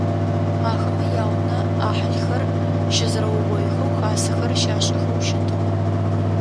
Ахэмэ яунэ ӏахьылхэр щызэрэугъоихэу хасэхэр щашӏыхэу щытыгъ.